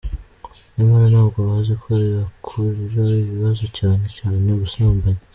Nyamara ntabwo bazi ko bibakururira ibibazo, cyane cyane ubusambanyi.